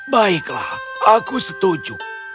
baiklah aku setuju